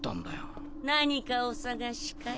何かお探しかい？